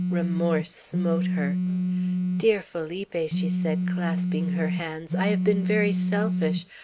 Remorse smote her. "Dear Felipe," she said, clasping her hands, "I have been very selfish.